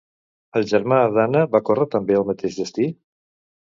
El germà d'Anna va córrer també el mateix destí?